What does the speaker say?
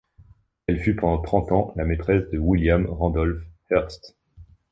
Elle fut pendant trente ans la maîtresse de William Randolph Hearst.